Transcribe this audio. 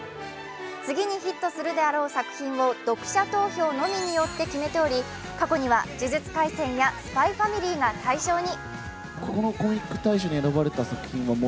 次にヒットするであろう作品を読者投票のみによって決めており過去には「呪術廻戦」や「ＳＰＹ×ＦＡＭＩＬＹ」が大賞に。